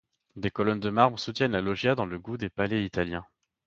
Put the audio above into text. Des colonnes de marbre soutiennent la loggia dans le goût des palais italiens.